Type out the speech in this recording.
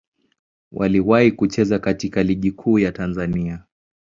Waliwahi kucheza katika Ligi Kuu ya Tanzania.